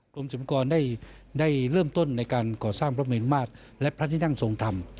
สมกรได้เริ่มต้นในการก่อสร้างพระเมนมาตรและพระที่นั่งทรงธรรม